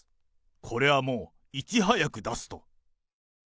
これはもう、いち早く出すと。